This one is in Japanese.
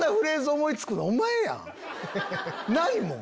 ないもん。